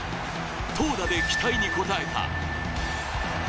投打で期待に応えた。